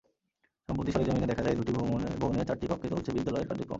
সম্প্রতি সরেজমিনে দেখা যায়, দুটি ভবনের চারটি কক্ষে চলছে বিদ্যালয়ের কার্যক্রম।